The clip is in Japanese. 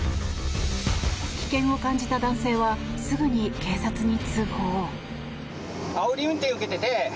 危険を感じた男性はすぐに警察に通報。